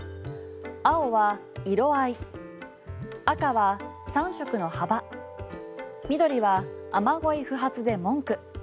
青は、色合い赤は、３色の幅緑は、雨乞い不発で文句。